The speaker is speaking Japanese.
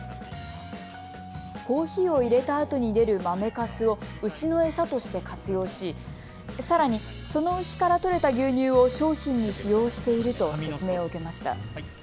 コーヒーを入れたあとに出る豆かすを牛の餌として活用し、さらにその牛から取れた牛乳を商品に使用していると説明を受けました。